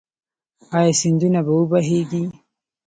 آیا سیندونه به و بهیږي؟